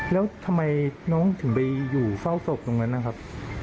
แล้วทำไมน้องถึงไปอยู่เฝ้าศพตรงนั้นนะครับ